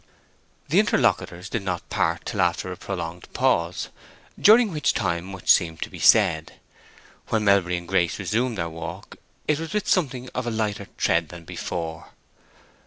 The interlocutors did not part till after a prolonged pause, during which much seemed to be said. When Melbury and Grace resumed their walk it was with something of a lighter tread than before.